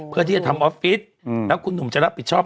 เพื่อที่จะทำออฟฟิศแล้วคุณหนุ่มจะรับผิดชอบ